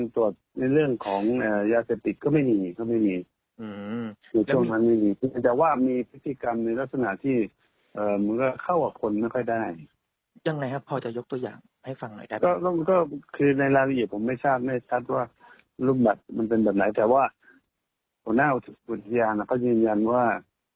แต่ว่าหน้าอุทยานก็ยืนยันว่า